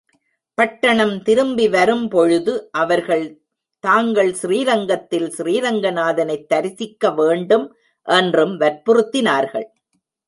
பட்டணம் திரும்பி வரும் பொழுது அவர்கள் தாங்கள் ஸ்ரீரங்கத்தில் ஸ்ரீரங்கநாதனைத் தரிசிக்க வேண்டும் என்றும் வற்புறுத்தினார்கள்.